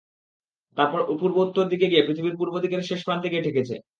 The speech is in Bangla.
তারপর পূর্ব-উত্তর দিকে গিয়ে পৃথিবীর পূর্ব দিকের শেষ প্রান্তে গিয়ে ঠেকেছে।